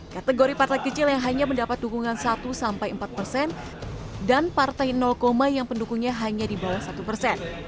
kategori partai kecil yang hanya mendapat dukungan satu sampai empat persen dan partai yang pendukungnya hanya di bawah satu persen